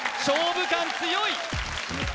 勝負勘強い！